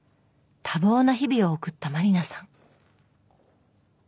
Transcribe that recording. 多忙な日々を送った満里奈さん